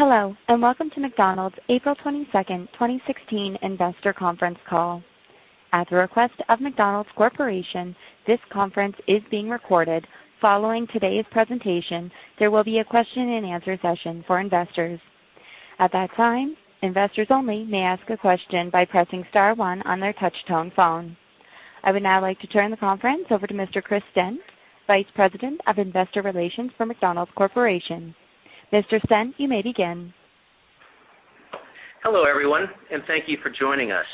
Hello, welcome to McDonald's April 22nd, 2016 investor conference call. At the request of McDonald's Corporation, this conference is being recorded. Following today's presentation, there will be a question and answer session for investors. At that time, investors only may ask a question by pressing star one on their touch-tone phone. I would now like to turn the conference over to Mr. Chris Stent, Vice President of Investor Relations for McDonald's Corporation. Mr. Stent, you may begin. Hello, everyone, thank you for joining us.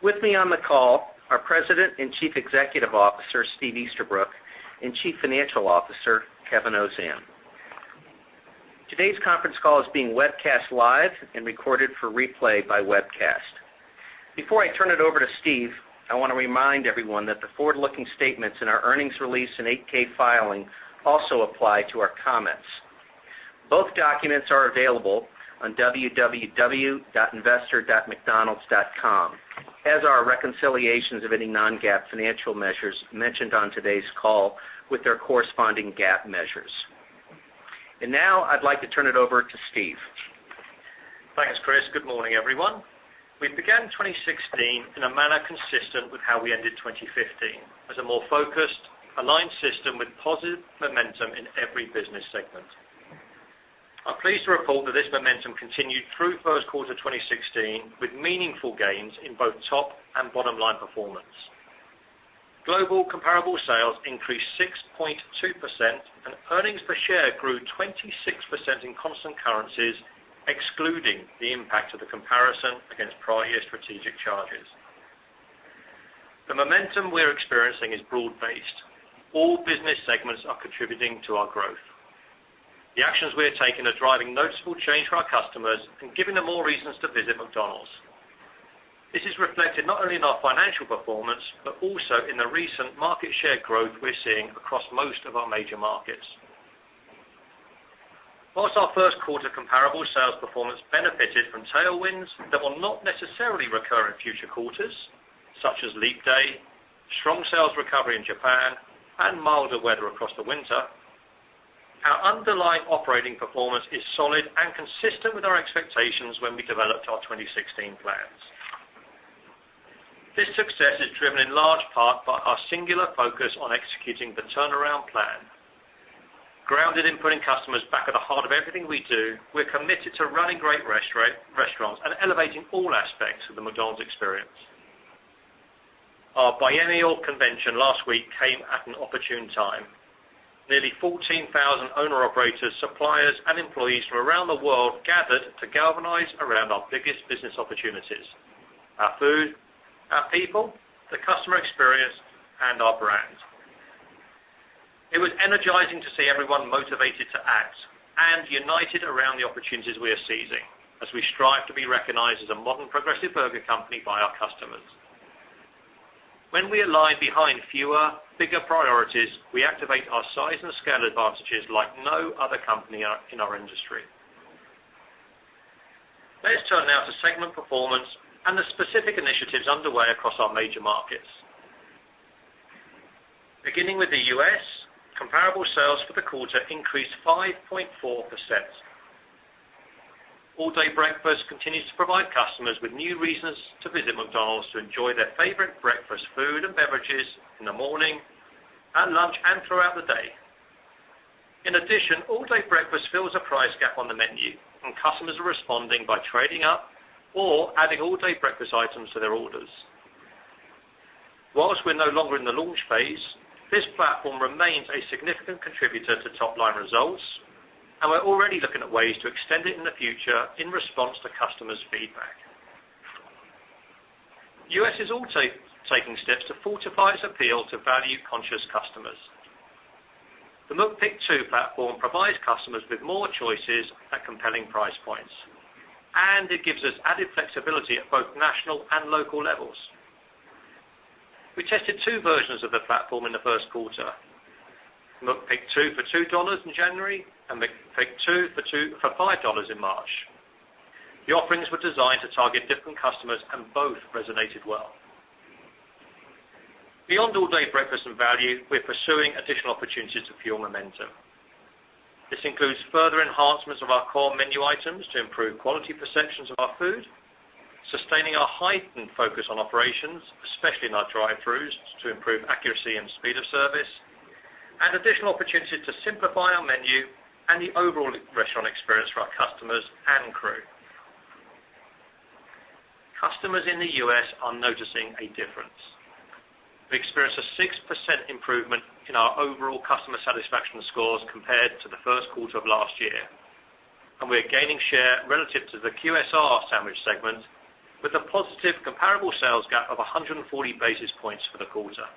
With me on the call are President and Chief Executive Officer, Steve Easterbrook, and Chief Financial Officer, Kevin Ozan. Today's conference call is being webcast live and recorded for replay by webcast. Before I turn it over to Steve, I want to remind everyone that the forward-looking statements in our earnings release and 8-K filing also apply to our comments. Both documents are available on www.investor.mcdonalds.com, as are reconciliations of any non-GAAP financial measures mentioned on today's call with their corresponding GAAP measures. Now I'd like to turn it over to Steve. Thanks, Chris. Good morning, everyone. We began 2016 in a manner consistent with how we ended 2015, as a more focused, aligned system with positive momentum in every business segment. I'm pleased to report that this momentum continued through first quarter 2016, with meaningful gains in both top and bottom-line performance. Global comparable sales increased 6.2%, earnings per share grew 26% in constant currencies, excluding the impact of the comparison against prior year strategic charges. The momentum we're experiencing is broad-based. All business segments are contributing to our growth. The actions we are taking are driving noticeable change for our customers and giving them more reasons to visit McDonald's. This is reflected not only in our financial performance, but also in the recent market share growth we're seeing across most of our major markets. Whilst our first quarter comparable sales performance benefited from tailwinds that will not necessarily recur in future quarters, such as leap day, strong sales recovery in Japan, and milder weather across the winter, our underlying operating performance is solid and consistent with our expectations when we developed our 2016 plans. This success is driven in large part by our singular focus on executing the turnaround plan. Grounded in putting customers back at the heart of everything we do, we're committed to running great restaurants and elevating all aspects of the McDonald's experience. Our biennial convention last week came at an opportune time. Nearly 14,000 owner/operators, suppliers, and employees from around the world gathered to galvanize around our biggest business opportunities, our food, our people, the customer experience, and our brand. It was energizing to see everyone motivated to act and united around the opportunities we are seizing as we strive to be recognized as a modern, progressive burger company by our customers. When we align behind fewer, bigger priorities, we activate our size and scale advantages like no other company in our industry. Let's turn now to segment performance and the specific initiatives underway across our major markets. Beginning with the U.S., comparable sales for the quarter increased 5.4%. All-Day Breakfast continues to provide customers with new reasons to visit McDonald's to enjoy their favorite breakfast food and beverages in the morning, at lunch, and throughout the day. In addition, All-Day Breakfast fills a price gap on the menu, and customers are responding by trading up or adding All-Day Breakfast items to their orders. Whilst we're no longer in the launch phase, this platform remains a significant contributor to top-line results, and we're already looking at ways to extend it in the future in response to customers' feedback. U.S. is also taking steps to fortify its appeal to value-conscious customers. The McPick 2 platform provides customers with more choices at compelling price points, and it gives us added flexibility at both national and local levels. We tested two versions of the platform in the first quarter, McPick 2 for $2 in January and McPick 2 for $5 in March. The offerings were designed to target different customers, and both resonated well. Beyond All-Day Breakfast and value, we're pursuing additional opportunities to fuel momentum. This includes further enhancements of our core menu items to improve quality perceptions of our food, sustaining our heightened focus on operations, especially in our drive-throughs, to improve accuracy and speed of service, and additional opportunity to simplify our menu and the overall restaurant experience for our customers and crew. Customers in the U.S. are noticing a difference. We experienced a 6% improvement in our overall customer satisfaction scores compared to the first quarter of last year, and we are gaining share relative to the QSR sandwich segment with a positive comparable sales gap of 140 basis points for the quarter.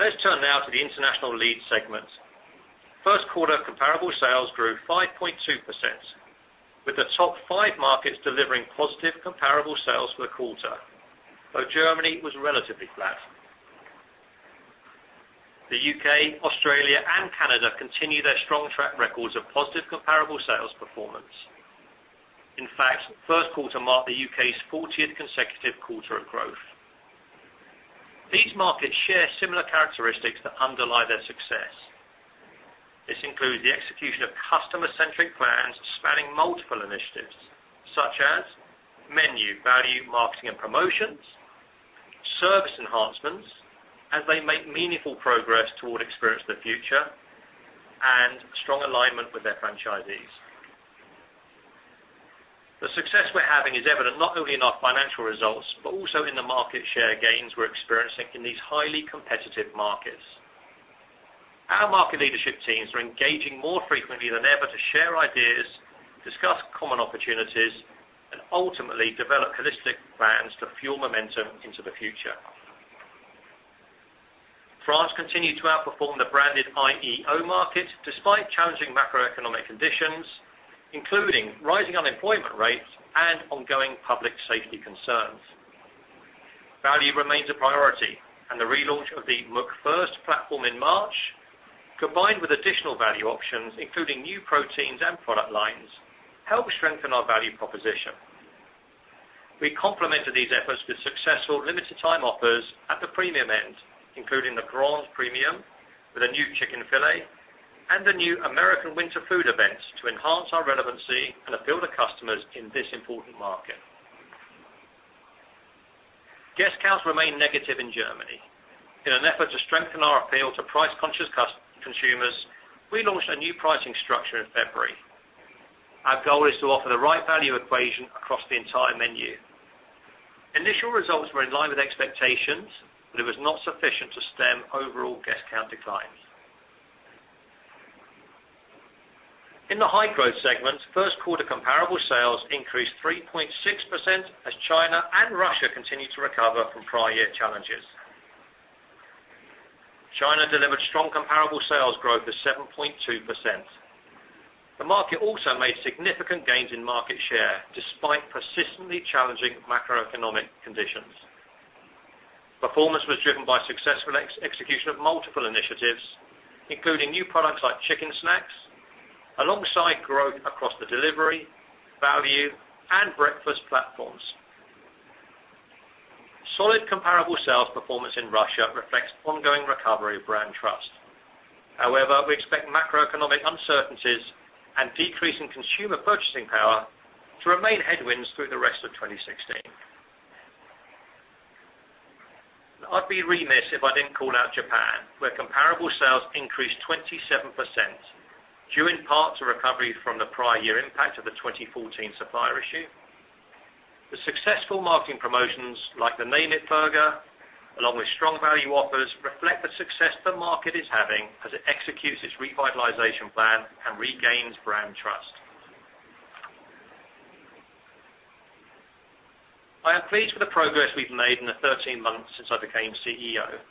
Let's turn now to the International Lead segment. First quarter comparable sales grew 5.2%, with the top five markets delivering positive comparable sales for the quarter, though Germany was relatively flat. The U.K., Australia, and Canada continue their strong track records of positive comparable sales performance. In fact, first quarter marked the U.K.'s 40th consecutive quarter of growth. These markets share similar characteristics that underlie their success. This includes the execution of customer-centric plans spanning multiple initiatives, such as menu, value, marketing and promotions, service enhancements as they make meaningful progress toward Experience of the Future, and strong alignment with their franchisees. The success we're having is evident not only in our financial results, but also in the market share gains we're experiencing in these highly competitive markets. Our market leadership teams are engaging more frequently than ever to share ideas, discuss common opportunities, and ultimately develop holistic plans to fuel momentum into the future. France continued to outperform the branded IEO market despite challenging macroeconomic conditions, including rising unemployment rates and ongoing public safety concerns. Value remains a priority. The relaunch of the McFirst platform in March, combined with additional value options, including new proteins and product lines, helped strengthen our value proposition. We complemented these efforts with successful limited time offers at the premium end, including the Grand Premium with a new chicken filet and the new American Winter Food events to enhance our relevancy and appeal to customers in this important market. Guest counts remain negative in Germany. In an effort to strengthen our appeal to price-conscious consumers, we launched a new pricing structure in February. Our goal is to offer the right value equation across the entire menu. Initial results were in line with expectations. It was not sufficient to stem overall guest count declines. In the high-growth segment, first quarter comparable sales increased 3.6% as China and Russia continued to recover from prior year challenges. China delivered strong comparable sales growth of 7.2%. The market also made significant gains in market share despite persistently challenging macroeconomic conditions. Performance was driven by successful execution of multiple initiatives, including new products like chicken snacks, alongside growth across the delivery, value, and breakfast platforms. Solid comparable sales performance in Russia reflects ongoing recovery of brand trust. However, we expect macroeconomic uncertainties and decrease in consumer purchasing power to remain headwinds through the rest of 2016. I'd be remiss if I didn't call out Japan, where comparable sales increased 27%, due in part to recovery from the prior year impact of the 2014 supplier issue. The successful marketing promotions like the Name It Burger, along with strong value offers, reflect the success the market is having as it executes its revitalization plan and regains brand trust. I am pleased with the progress we've made in the 13 months since I became CEO.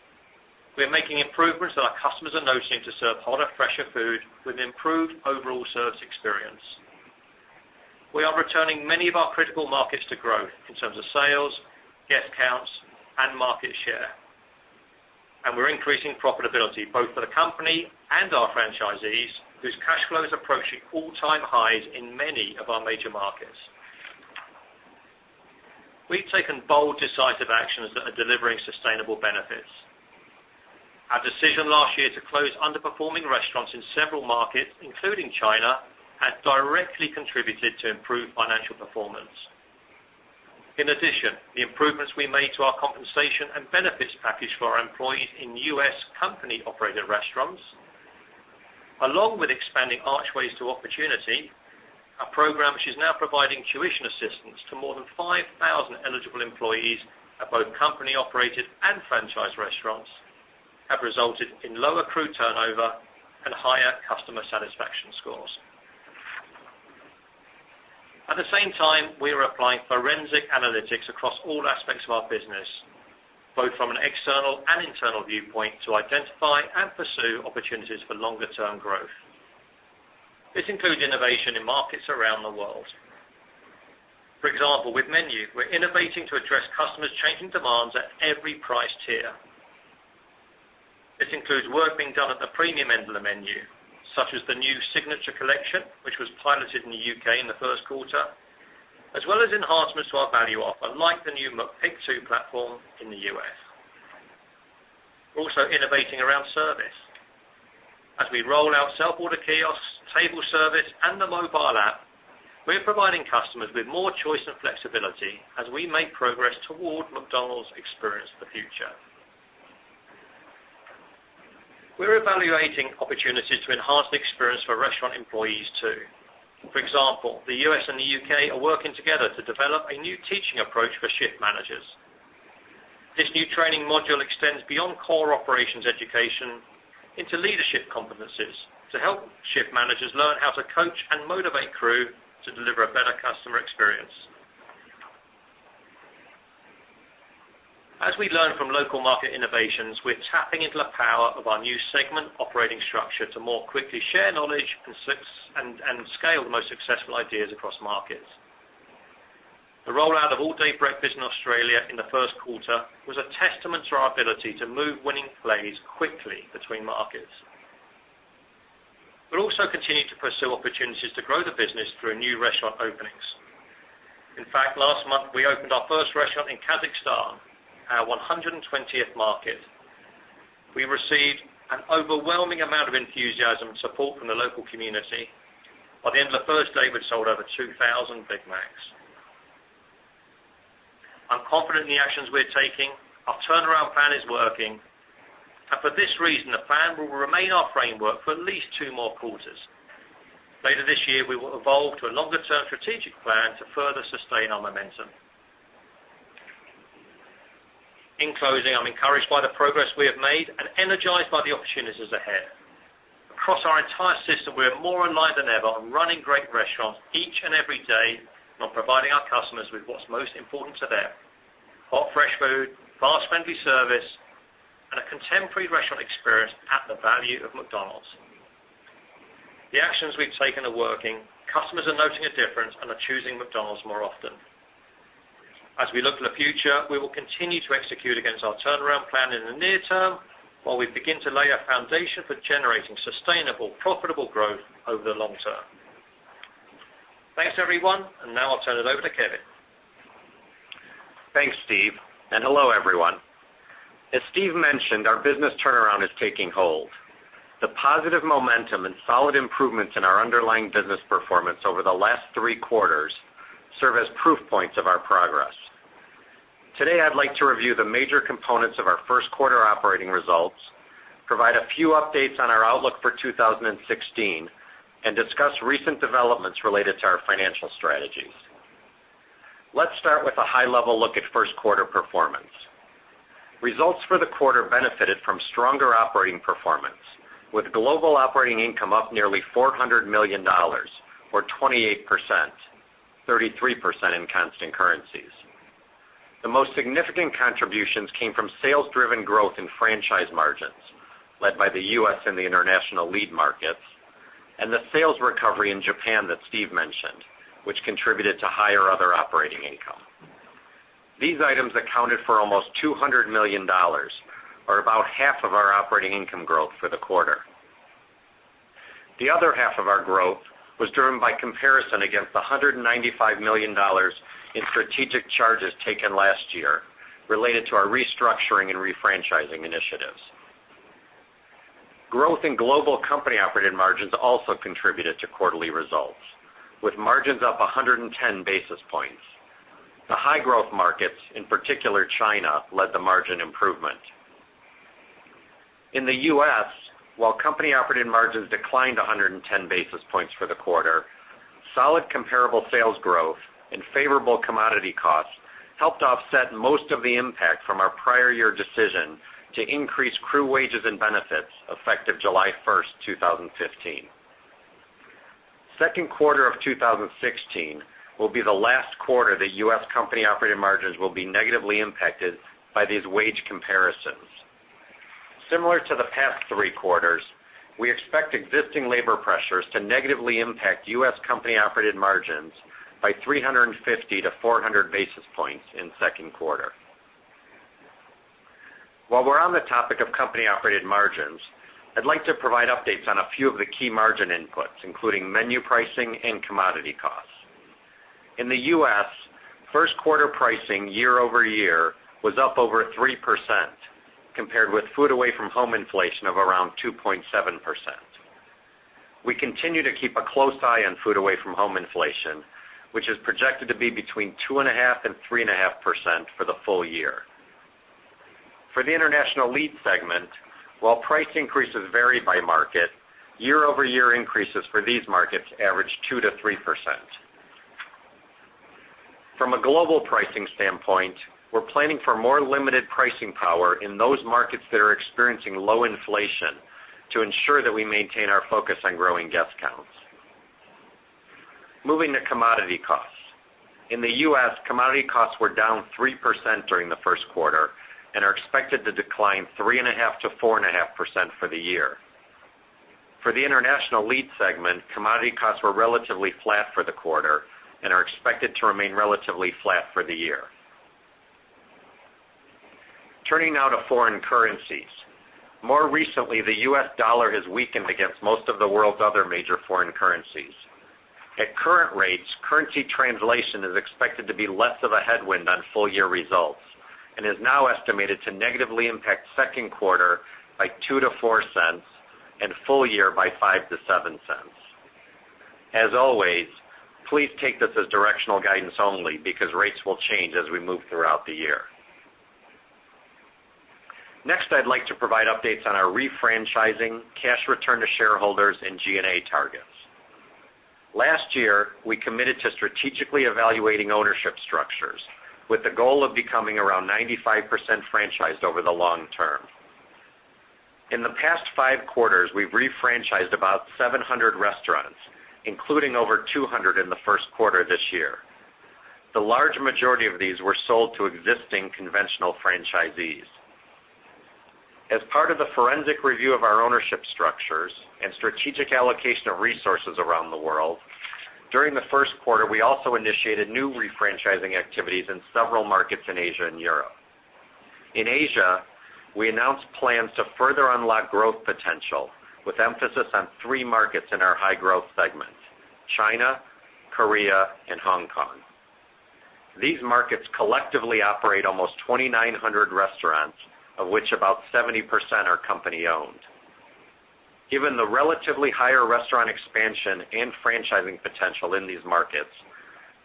We are making improvements that our customers are noticing to serve hotter, fresher food with improved overall service experience. We are returning many of our critical markets to growth in terms of sales, guest counts, and market share. We're increasing profitability both for the company and our franchisees, whose cash flow is approaching all-time highs in many of our major markets. We've taken bold, decisive actions that are delivering sustainable benefits. Our decision last year to close underperforming restaurants in several markets, including China, has directly contributed to improved financial performance. In addition, the improvements we made to our compensation and benefits package for our employees in U.S. company-operated restaurants, along with expanding Archways to Opportunity, a program which is now providing tuition assistance to more than 5,000 eligible employees at both company-operated and franchise restaurants, have resulted in lower crew turnover and higher customer satisfaction scores. At the same time, we are applying forensic analytics across all aspects of our business, both from an external and internal viewpoint, to identify and pursue opportunities for longer-term growth. This includes innovation in markets around the world. For example, with menu, we're innovating to address customers' changing demands at every price tier. This includes work being done at the premium end of the menu, such as the new Signature Collection, which was piloted in the U.K. in the first quarter, as well as enhancements to our value offer, like the new McPick 2 platform in the U.S. We're also innovating around service. As we roll out self-order kiosks, table service, and the mobile app, we're providing customers with more choice and flexibility as we make progress toward McDonald's Experience of the Future. We're evaluating opportunities to enhance the experience for restaurant employees, too. For example, the U.S. and the U.K. are working together to develop a new teaching approach for shift managers. This new training module extends beyond core operations education into leadership competencies to help shift managers learn how to coach and motivate crew to deliver a better customer experience. As we learn from local market innovations, we're tapping into the power of our new segment operating structure to more quickly share knowledge and scale the most successful ideas across markets. The rollout of all-day breakfast in Australia in the first quarter was a testament to our ability to move winning plays quickly between markets. We also continue to pursue opportunities to grow the business through new restaurant openings. In fact, last month, we opened our first restaurant in Kazakhstan, our 120th market. We received an overwhelming amount of enthusiasm and support from the local community. By the end of the first day, we'd sold over 2,000 Big Macs. I'm confident in the actions we're taking. Our turnaround plan is working. For this reason, the plan will remain our framework for at least two more quarters. Later this year, we will evolve to a longer-term strategic plan to further sustain our momentum. In closing, I'm encouraged by the progress we have made. Energized by the opportunities ahead. Across our entire system, we are more aligned than ever on running great restaurants each and every day, on providing our customers with what's most important to them: hot, fresh food, fast, friendly service, and a contemporary restaurant experience at the value of McDonald's. The actions we've taken are working. Customers are noting a difference and are choosing McDonald's more often. As we look to the future, we will continue to execute against our turnaround plan in the near term, while we begin to lay a foundation for generating sustainable, profitable growth over the long term. Thanks, everyone. Now I'll turn it over to Kevin. Thanks, Steve. Hello, everyone. As Steve mentioned, our business turnaround is taking hold. The positive momentum, solid improvements in our underlying business performance over the last three quarters serve as proof points of our progress. Today, I'd like to review the major components of our first quarter operating results, provide a few updates on our outlook for 2016, discuss recent developments related to our financial strategies. Let's start with a high-level look at first quarter performance. Results for the quarter benefited from stronger operating performance with global operating income up nearly $400 million, or 28%, 33% in constant currencies. The most significant contributions came from sales-driven growth in franchise margins, led by the U.S. and the International Lead Markets, the sales recovery in Japan that Steve mentioned, which contributed to higher other operating income. These items accounted for almost $200 million, or about half of our operating income growth for the quarter. The other half of our growth was driven by comparison against the $195 million in strategic charges taken last year related to our restructuring and refranchising initiatives. Growth in global company-operated margins also contributed to quarterly results, with margins up 110 basis points. The high-growth markets, in particular China, led the margin improvement. In the U.S., while company-operated margins declined 110 basis points for the quarter, solid comparable sales growth and favorable commodity costs helped to offset most of the impact from our prior year decision to increase crew wages and benefits effective July 1st, 2015. Second quarter of 2016 will be the last quarter that U.S. company-operated margins will be negatively impacted by these wage comparisons. Similar to the past three quarters, we expect existing labor pressures to negatively impact U.S. company-operated margins by 350 to 400 basis points in second quarter. While we're on the topic of company-operated margins, I'd like to provide updates on a few of the key margin inputs, including menu pricing and commodity costs. In the U.S., first quarter pricing year-over-year was up over 3%, compared with food away from home inflation of around 2.7%. We continue to keep a close eye on food away from home inflation, which is projected to be between 2.5% and 3.5% for the full year. For the International Lead Segment, while price increases vary by market, year-over-year increases for these markets average 2%-3%. From a global pricing standpoint, we're planning for more limited pricing power in those markets that are experiencing low inflation to ensure that we maintain our focus on growing guest counts. Moving to commodity costs. In the U.S., commodity costs were down 3% during the first quarter and are expected to decline 3.5%-4.5% for the year. For the International Lead Segment, commodity costs were relatively flat for the quarter and are expected to remain relatively flat for the year. Turning now to foreign currencies. More recently, the U.S. dollar has weakened against most of the world's other major foreign currencies. At current rates, currency translation is expected to be less of a headwind on full year results and is now estimated to negatively impact second quarter by $0.02-$0.04 and full year by $0.05-$0.07. As always, please take this as directional guidance only because rates will change as we move throughout the year. Next, I'd like to provide updates on our refranchising, cash return to shareholders, and G&A targets. Last year, we committed to strategically evaluating ownership structures with the goal of becoming around 95% franchised over the long term. In the past five quarters, we've refranchised about 700 restaurants, including over 200 in the first quarter this year. The large majority of these were sold to existing conventional franchisees. As part of the forensic review of our ownership structures and strategic allocation of During the first quarter, we also initiated new refranchising activities in several markets in Asia and Europe. In Asia, we announced plans to further unlock growth potential, with emphasis on three markets in our High-Growth Segment: China, Korea, and Hong Kong. These markets collectively operate almost 2,900 restaurants, of which about 70% are company-owned. Given the relatively higher restaurant expansion and franchising potential in these markets,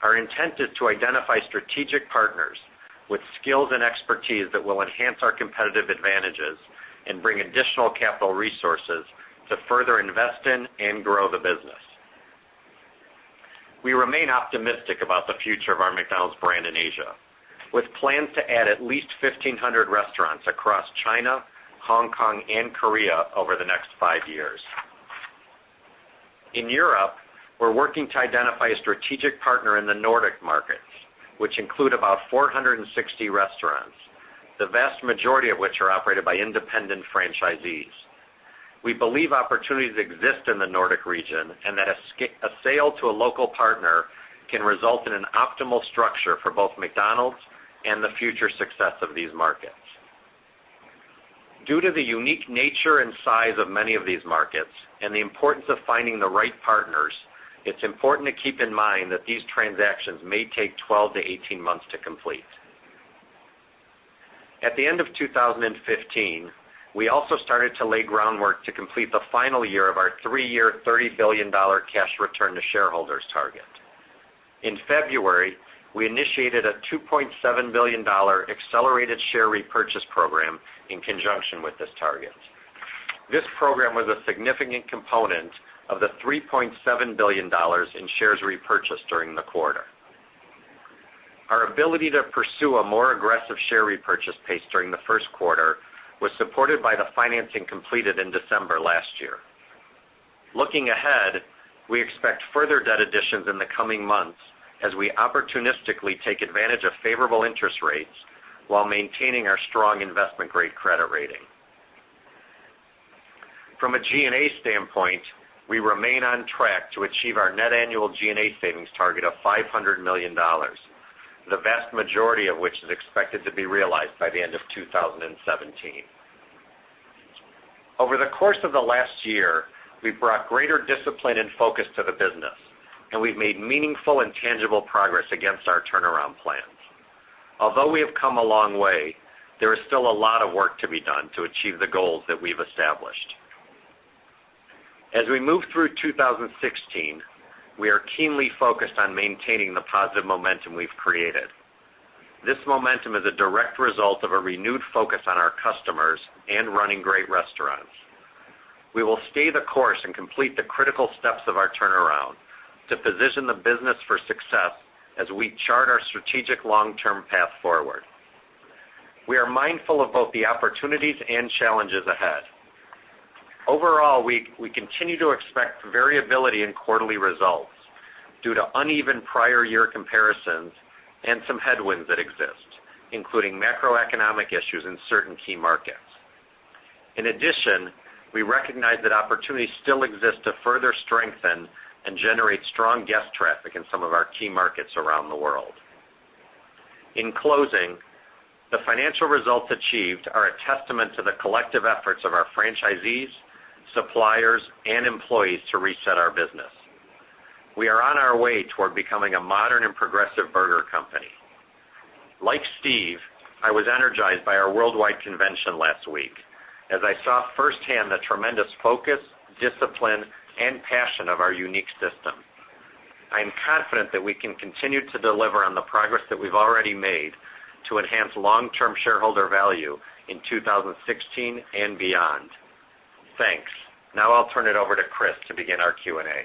our intent is to identify strategic partners with skills and expertise that will enhance our competitive advantages and bring additional capital resources to further invest in and grow the business. We remain optimistic about the future of our McDonald's brand in Asia, with plans to add at least 1,500 restaurants across China, Hong Kong, and Korea over the next five years. In Europe, we're working to identify a strategic partner in the Nordic markets, which include about 460 restaurants, the vast majority of which are operated by independent franchisees. We believe opportunities exist in the Nordic region, and that a sale to a local partner can result in an optimal structure for both McDonald's and the future success of these markets. Due to the unique nature and size of many of these markets and the importance of finding the right partners, it's important to keep in mind that these transactions may take 12 to 18 months to complete. At the end of 2015, we also started to lay groundwork to complete the final year of our three-year, $30 billion cash return to shareholders target. In February, we initiated a $2.7 billion accelerated share repurchase program in conjunction with this target. This program was a significant component of the $3.7 billion in shares repurchased during the quarter. Our ability to pursue a more aggressive share repurchase pace during the first quarter was supported by the financing completed in December last year. Looking ahead, we expect further debt additions in the coming months as we opportunistically take advantage of favorable interest rates while maintaining our strong investment-grade credit rating. From a G&A standpoint, we remain on track to achieve our net annual G&A savings target of $500 million, the vast majority of which is expected to be realized by the end of 2017. Over the course of the last year, we've brought greater discipline and focus to the business, and we've made meaningful and tangible progress against our turnaround plans. Although we have come a long way, there is still a lot of work to be done to achieve the goals that we've established. As we move through 2016, we are keenly focused on maintaining the positive momentum we've created. This momentum is a direct result of a renewed focus on our customers and running great restaurants. We will stay the course and complete the critical steps of our turnaround to position the business for success as we chart our strategic long-term path forward. We are mindful of both the opportunities and challenges ahead. Overall, we continue to expect variability in quarterly results due to uneven prior year comparisons and some headwinds that exist, including macroeconomic issues in certain key markets. In addition, we recognize that opportunities still exist to further strengthen and generate strong guest traffic in some of our key markets around the world. In closing, the financial results achieved are a testament to the collective efforts of our franchisees, suppliers, and employees to reset our business. We are on our way toward becoming a modern and progressive burger company. Like Steve, I was energized by our worldwide convention last week as I saw firsthand the tremendous focus, discipline, and passion of our unique system. I am confident that we can continue to deliver on the progress that we've already made to enhance long-term shareholder value in 2016 and beyond. Thanks. I’ll turn it over to Chris to begin our Q&A.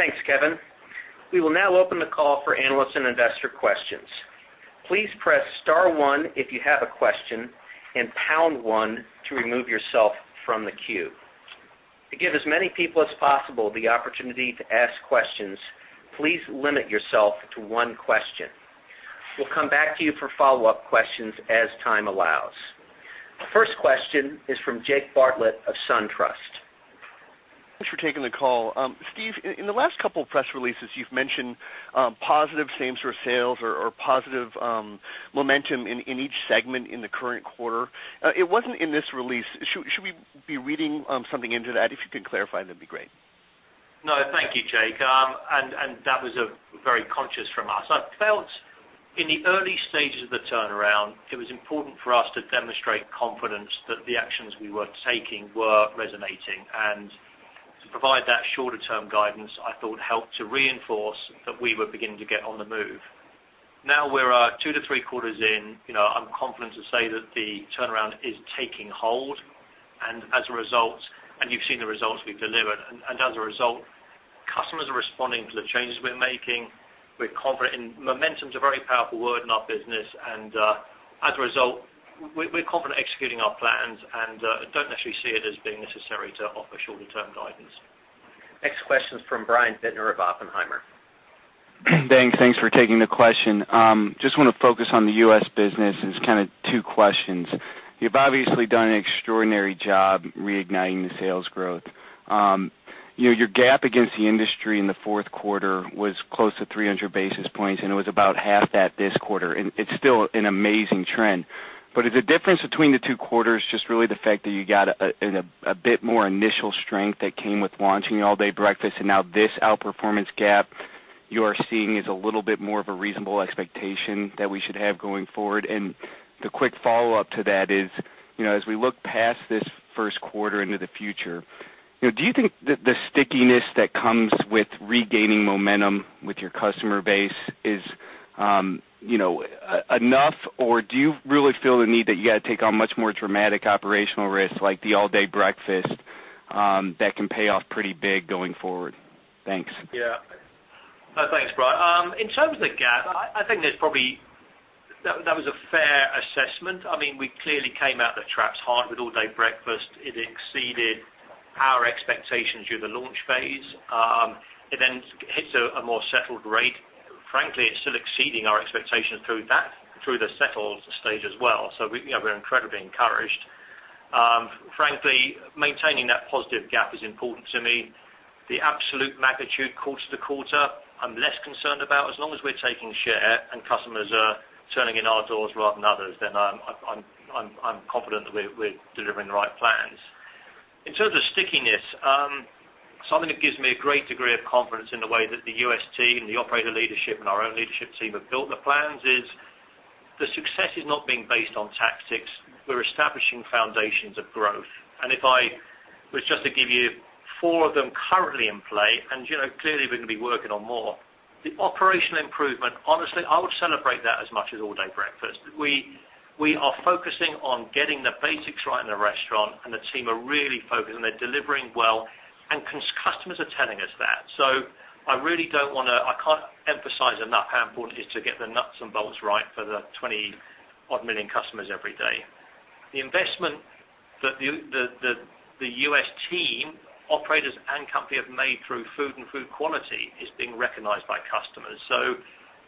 Thanks, Kevin. We will now open the call for analyst and investor questions. Please press star one if you have a question and pound one to remove yourself from the queue. To give as many people as possible the opportunity to ask questions, please limit yourself to one question. We’ll come back to you for follow-up questions as time allows. The first question is from Jake Bartlett of SunTrust. Thanks for taking the call. Steve, in the last couple of press releases, you’ve mentioned positive same-store sales or positive momentum in each segment in the current quarter. It wasn’t in this release. Should we be reading something into that? If you could clarify, that’d be great. No, thank you, Jake. That was very conscious from us. I felt in the early stages of the turnaround, it was important for us to demonstrate confidence that the actions we were taking were resonating. To provide that shorter-term guidance, I thought, helped to reinforce that we were beginning to get on the move. We’re two to three quarters in. I’m confident to say that the turnaround is taking hold, and you’ve seen the results we’ve delivered. As a result, customers are responding to the changes we’re making. Momentum is a very powerful word in our business, and as a result, we’re confident executing our plans and don’t necessarily see it as being necessary to offer shorter-term guidance. Next question is from Brian Bittner of Oppenheimer. Dan, thanks for taking the question. Just want to focus on the U.S. business, and it's kind of two questions. You've obviously done an extraordinary job reigniting the sales growth. Your gap against the industry in the fourth quarter was close to 300 basis points, and it was about half that this quarter. It's still an amazing trend. Is the difference between the two quarters just really the fact that you got a bit more initial strength that came with launching All-Day Breakfast and now this outperformance gap you're seeing is a little bit more of a reasonable expectation that we should have going forward? The quick follow-up to that is, as we look past this first quarter into the future, do you think that the stickiness that comes with regaining momentum with your customer base is enough, or do you really feel the need that you got to take on much more dramatic operational risks like the All-Day Breakfast, that can pay off pretty big going forward? Thanks. Yeah. No, thanks, Brian. In terms of the gap, I think that was a fair assessment. We clearly came out the traps hard with All-Day Breakfast. It exceeded our expectations through the launch phase. It then hits a more settled rate. Frankly, it's still exceeding our expectations through the settled stage as well. We are incredibly encouraged. Frankly, maintaining that positive gap is important to me. The absolute magnitude quarter to quarter, I'm less concerned about as long as we're taking share and customers are turning in our doors rather than others, then I'm confident that we're delivering the right plans. In terms of stickiness, something that gives me a great degree of confidence in the way that the U.S. team, the operator leadership, and our own leadership team have built the plans is the success is not being based on tactics. We're establishing foundations of growth. If I was just to give you four of them currently in play, clearly we're going to be working on more. The operational improvement, honestly, I would celebrate that as much as All-Day breakfast. We are focusing on getting the basics right in the restaurant, the team are really focused, and they're delivering well, and customers are telling us that. I can't emphasize enough how important it is to get the nuts and bolts right for the 20 odd million customers every day. The investment that the U.S. team, operators, and company have made through food and food quality is being recognized by customers.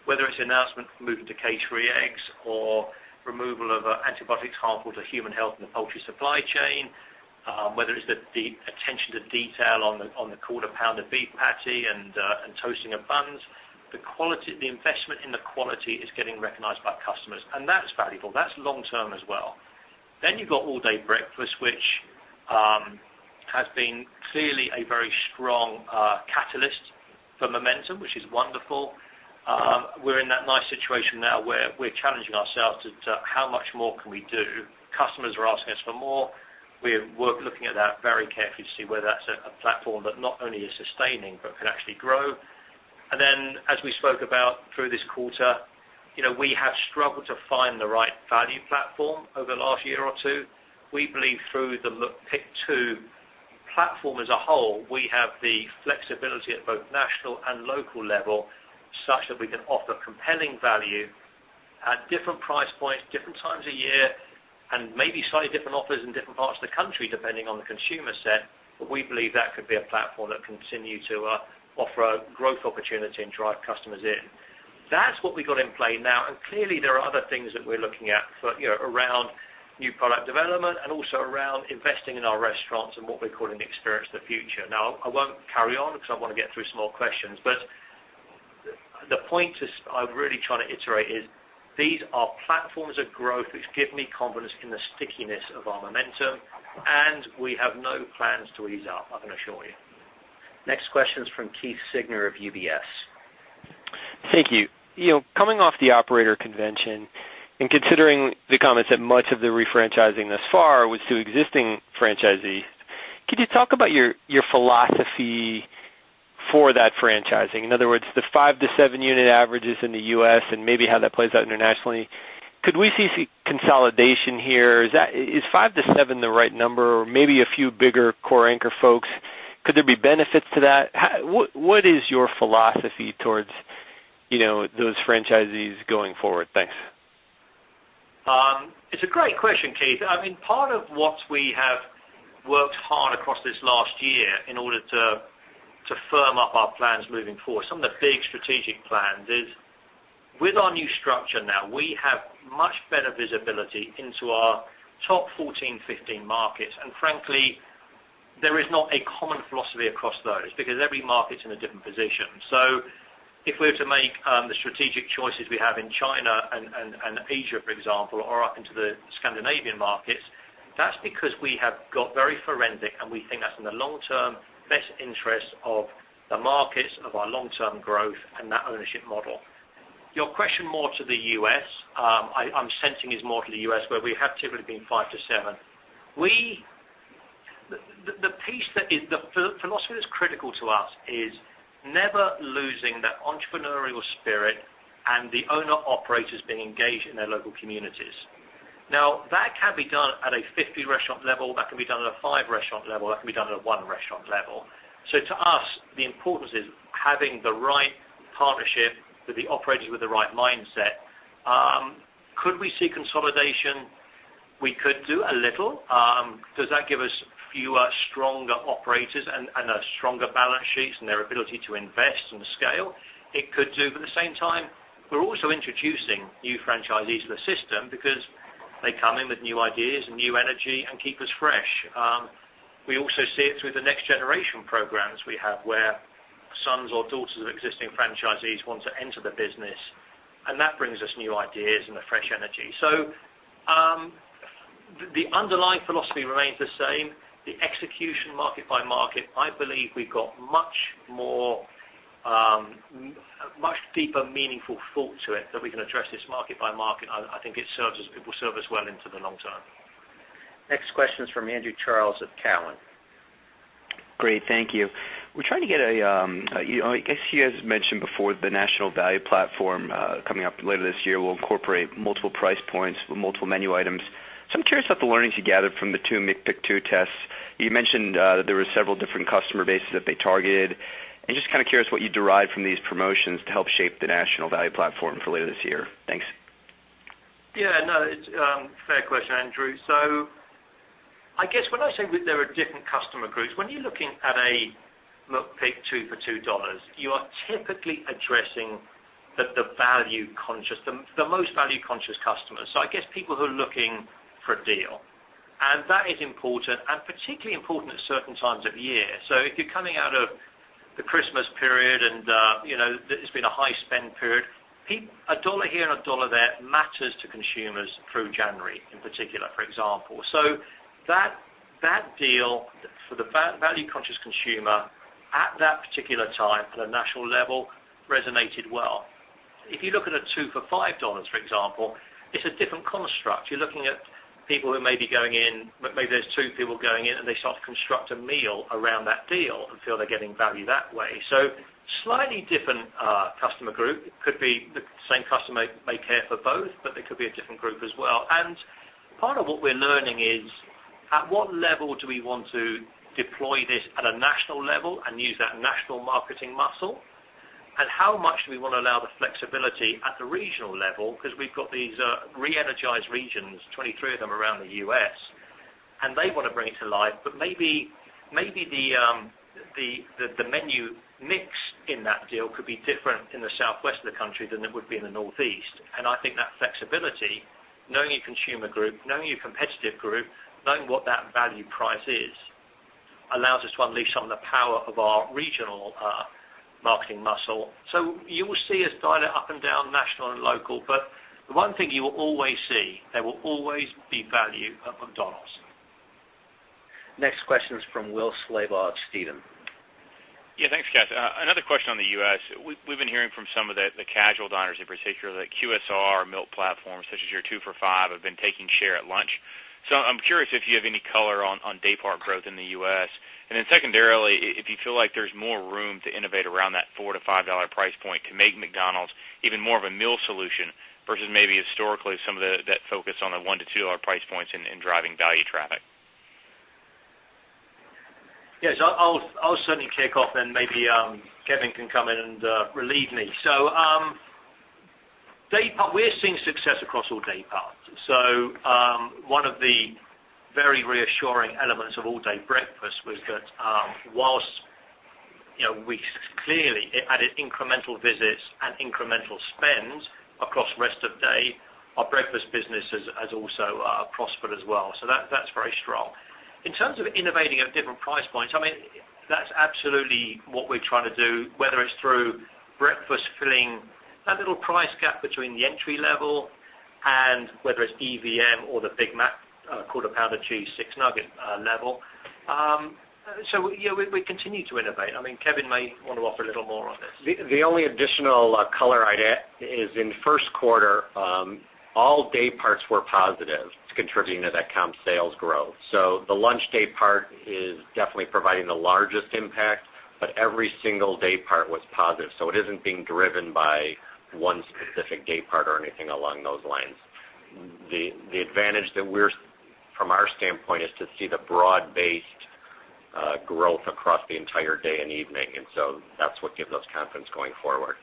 Whether it's the announcement moving to cage-free eggs or removal of antibiotics harmful to human health in the poultry supply chain, whether it's the attention to detail on the Quarter Pounder beef patty and toasting of buns, the investment in the quality is getting recognized by customers, and that's valuable. That's long-term as well. You've got all-day breakfast, which has been clearly a very strong catalyst for momentum, which is wonderful. We're in that nice situation now where we're challenging ourselves to how much more can we do. Customers are asking us for more. We're looking at that very carefully to see whether that's a platform that not only is sustaining but can actually grow. As we spoke about through this quarter, we have struggled to find the right value platform over the last year or two. We believe through the McPick 2 platform as a whole, we have the flexibility at both national and local level, such that we can offer compelling value at different price points, different times of year, and maybe slightly different offers in different parts of the country, depending on the consumer set. We believe that could be a platform that can continue to offer a growth opportunity and drive customers in. That's what we got in play now, clearly there are other things that we're looking at around new product development and also around investing in our restaurants and what we're calling Experience of the Future. I won't carry on because I want to get through some more questions. The point I'm really trying to iterate is these are platforms of growth which give me confidence in the stickiness of our momentum, and we have no plans to ease up, I can assure you. Next question is from Keith Siegner of UBS. Thank you. Coming off the operator convention and considering the comments that much of the refranchising thus far was to existing franchisees, could you talk about your philosophy for that franchising? In other words, the five to seven unit averages in the U.S. and maybe how that plays out internationally. Could we see consolidation here? Is five to seven the right number or maybe a few bigger core anchor folks? Could there be benefits to that? What is your philosophy towards those franchisees going forward? Thanks. It's a great question, Keith. Part of what we have worked hard across this last year in order to firm up our plans moving forward, some of the big strategic plans is with our new structure now, we have much better visibility into our top 14, 15 markets. Frankly, there is not a common philosophy across those because every market's in a different position. If we're to make the strategic choices we have in China and Asia, for example, or up into the Scandinavian markets, that's because we have got very forensic, and we think that's in the long term best interest of the markets, of our long-term growth, and that ownership model. Your question more to the U.S., I'm sensing is more to the U.S., where we have typically been five to seven. The philosophy that's critical to us is never losing that entrepreneurial spirit and the owner-operators being engaged in their local communities. That can be done at a 50-restaurant level, that can be done at a 5-restaurant level, that can be done at a 1-restaurant level. To us, the importance is having the right partnership with the operators with the right mindset. Could we see consolidation? We could do a little. Does that give us fewer, stronger operators and stronger balance sheets and their ability to invest and scale? It could do. At the same time, we're also introducing new franchisees to the system because they come in with new ideas and new energy and keep us fresh. We also see it through the next generation programs we have, where sons or daughters of existing franchisees want to enter the business, that brings us new ideas and a fresh energy. The underlying philosophy remains the same. The execution market by market, I believe we've got much deeper, meaningful thought to it that we can address this market by market. I think it will serve us well into the long term. Next question is from Andrew Charles of Cowen. Great, thank you. He has mentioned before the national value platform coming up later this year will incorporate multiple price points with multiple menu items. I'm curious about the learnings you gathered from the two McPick 2 tests. You mentioned that there were several different customer bases that they targeted, just kind of curious what you derived from these promotions to help shape the national value platform for later this year. Thanks. Yeah, no, it's a fair question, Andrew. I guess when I say there are different customer groups, when you're looking at a McPick 2 for $2, you are typically addressing the most value-conscious customers. I guess people who are looking for a deal, that is important and particularly important at certain times of year. If you're coming out of the Christmas period and it's been a high-spend period, a $1 here and a $1 there matters to consumers through January in particular, for example. That deal for the value-conscious consumer at that particular time at a national level resonated well. If you look at a 2 for $5, for example, it's a different construct. You're looking at people who may be going in, maybe there's two people going in, and they sort of construct a meal around that deal and feel they're getting value that way. Slightly different customer group. It could be the same customer may care for both, but they could be a different group as well. Part of what we're learning is, at what level do we want to deploy this at a national level and use that national marketing muscle? How much do we want to allow the flexibility at the regional level? We've got these re-energized regions, 23 of them around the U.S., and they want to bring it to life. Maybe the menu mix in that deal could be different in the Southwest of the country than it would be in the Northeast. I think that flexibility, knowing your consumer group, knowing your competitive group, knowing what that value price is, allows us to unleash some of the power of our regional marketing muscle. You will see us dial it up and down, national and local, but the one thing you will always see, there will always be value at McDonald's. Next question is from Will Slabaugh of Stephens. Yeah, thanks, guys. Another question on the U.S. We've been hearing from some of the casual diners in particular that QSR meal platforms such as your 2 for $5 have been taking share at lunch. I'm curious if you have any color on day part growth in the U.S., and then secondarily, if you feel like there's more room to innovate around that $4-$5 price point to make McDonald's even more of a meal solution versus maybe historically some of that focus on the $1-$2 price points in driving value traffic. Yes, I'll certainly kick off, then maybe Kevin can come in and relieve me. Day part, we're seeing success across all day parts. One of the very reassuring elements of all-day breakfast was that whilst we clearly added incremental visits and incremental spends across rest of day, our breakfast business has also prospered as well. That's very strong. In terms of innovating at different price points, I mean, that's absolutely what we're trying to do, whether it's through breakfast filling that little price gap between the entry level and whether it's EVM or the Big Mac, Quarter Pounder Cheese, 6 nugget level. Yeah, we continue to innovate. I mean, Kevin may want to offer a little more on this. The only additional color I'd add is in first quarter, all day parts were positive to contributing to that comp sales growth. The lunch day part is definitely providing the largest impact, but every single day part was positive, it isn't being driven by one specific day part or anything along those lines. The advantage from our standpoint is to see the broad-based growth across the entire day and evening, that's what gives us confidence going forward.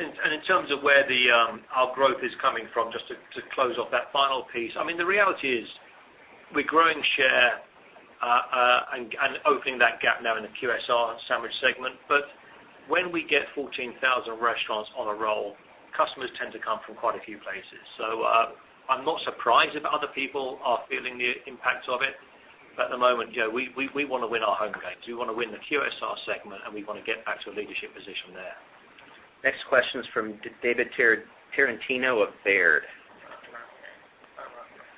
In terms of where our growth is coming from, just to close off that final piece, I mean, the reality is we're growing share, opening that gap now in the QSR sandwich segment. When we get 14,000 restaurants on a roll, customers tend to come from quite a few places. I'm not surprised if other people are feeling the impact of it. At the moment, we want to win our home games. We want to win the QSR segment, we want to get back to a leadership position there. Next question is from David Tarantino of Baird.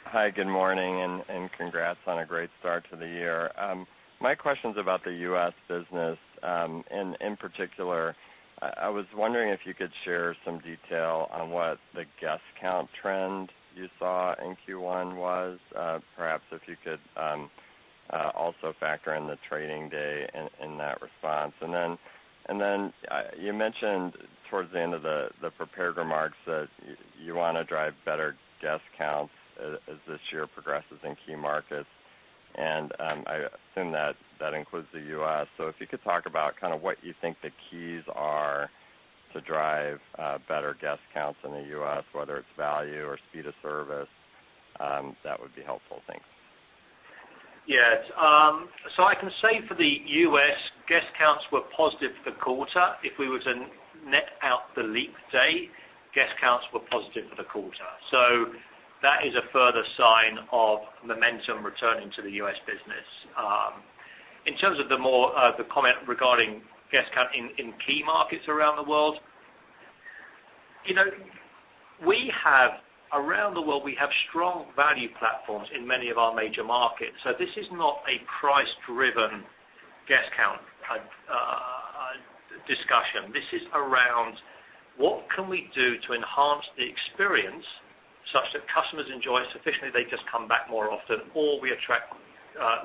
Hi, good morning, and congrats on a great start to the year. My question's about the U.S. business. In particular, I was wondering if you could share some detail on what the guest count trend you saw in Q1 was. Perhaps if you could also factor in the trading day in that response. You mentioned towards the end of the prepared remarks that you want to drive better guest counts as this year progresses in key markets. I assume that includes the U.S. If you could talk about what you think the keys are to drive better guest counts in the U.S., whether it's value or speed of service, that would be helpful. Thanks. Yes. I can say for the U.S., guest counts were positive for quarter. If we were to net out the leap day, guest counts were positive for the quarter. That is a further sign of momentum returning to the U.S. business. In terms of the comment regarding guest count in key markets around the world, we have strong value platforms in many of our major markets. This is not a price-driven guest count discussion. This is around what can we do to enhance the experience such that customers enjoy sufficiently, they just come back more often, or we attract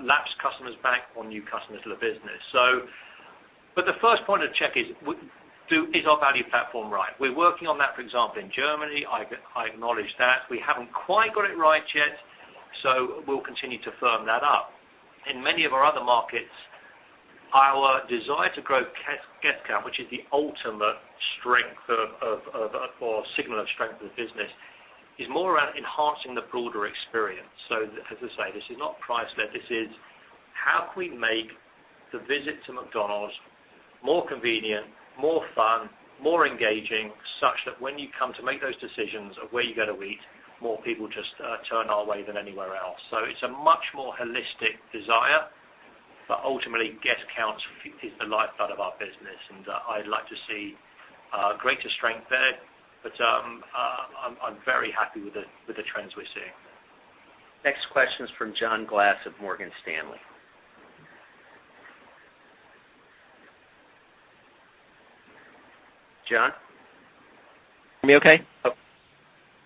lapsed customers back or new customers to the business. The first point of check is our value platform, right? We're working on that, for example, in Germany. I acknowledge that. We haven't quite got it right yet, we'll continue to firm that up. In many of our other markets, our desire to grow guest count, which is the ultimate signal of strength of the business, is more around enhancing the broader experience. As I say, this is not price led. This is how can we make the visit to McDonald's more convenient, more fun, more engaging, such that when you come to make those decisions of where you're going to eat, more people just turn our way than anywhere else. It's a much more holistic desire, but ultimately, guest count is the lifeblood of our business, and I'd like to see greater strength there. I'm very happy with the trends we're seeing. Next question is from John Glass of Morgan Stanley. John? Me okay?